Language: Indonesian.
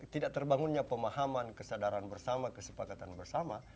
tidak terbangunnya pemahaman kesadaran bersama kesepakatan bersama